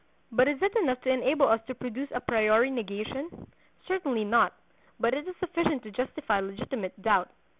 But is it enough to enable us to produce an a priori negation? Certainly not; but it is sufficient to justify legitimate doubt.